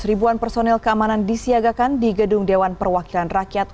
ribuan personil keamanan disiagakan di gedung dewan perwakilan rakyat